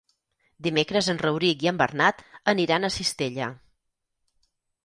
Dimecres en Rauric i en Bernat aniran a Cistella.